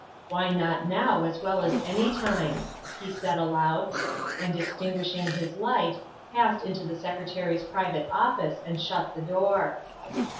" Why not now as well as any time?" he said aloud, 180 THE WIFE OF and, extinguishing his light, passed into the Secretary's private office and shut the door.